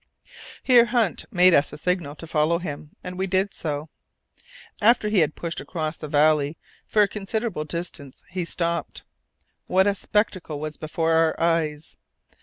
Here Hunt made us a signal to follow him, and we did so. After he had pushed across the valley for a considerable distance, he stopped. What a spectacle was before our eyes!